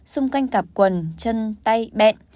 xung quanh cặp quần chân tay bẹn